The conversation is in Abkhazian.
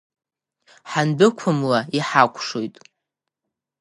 Ҳандәықәымла иҳақәшоит!